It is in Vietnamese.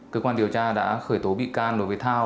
cơ quan điều tra đã khởi tố bị can đối với thao